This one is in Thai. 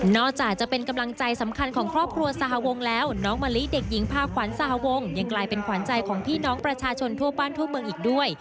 จากจะเป็นกำลังใจสำคัญของครอบครัวสหวงแล้วน้องมะลิเด็กหญิงพาขวัญสหวงยังกลายเป็นขวัญใจของพี่น้องประชาชนทั่วบ้านทั่วเมืองอีกด้วย